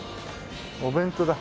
お弁当だ。